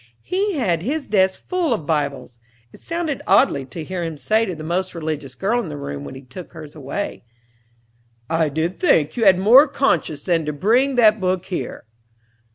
He had his desk full of Bibles. It sounded oddly to hear him say to the most religious girl in the room, when he took hers away, "I did think you had more conscience than to bring that book here."